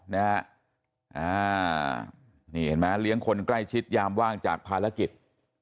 นี่เห็นไหมเลี้ยงคนใกล้ชิดยามว่างจากภารกิจ